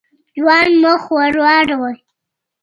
ځوان مخ ور واړاوه.